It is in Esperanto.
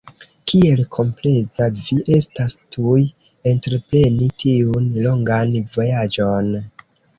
Kiel kompleza vi estas, tuj entrepreni tiun longan vojaĝon!